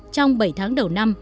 trong bảy tháng đầu năm